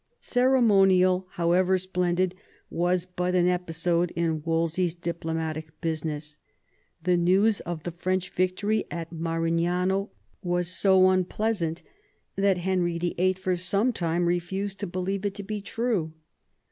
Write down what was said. Ceremonial, however splendid, was but an episode in Wolsey's diplomatic business. The news of the French victory at Marignano was so unpleasant that Henry VIII. for some time refused to believe it to be true.